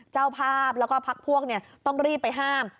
เจ้าภาพแล้วก็พักพวกต้องรีบไปห้าม